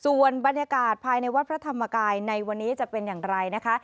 ส่วนบรรยากาศภายในวัดพระธรรมกายในวันนี้จะเป็นอย่างไรนะคะ